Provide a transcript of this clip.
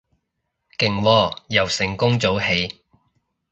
勁喎，又成功早起